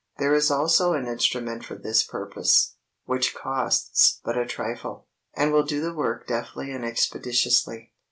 There is also an instrument for this purpose, which costs but a trifle, and will do the work deftly and expeditiously.